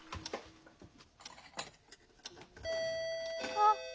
あっ。